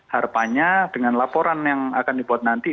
harapannya dengan laporan yang akan dibuat nanti